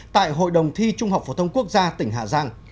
tại hội đồng thi trung học phổ thông quốc gia tỉnh hà giang